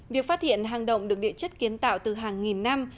việc phát hiện hang động được địa chất kiến tạo từ hàng nghìn năm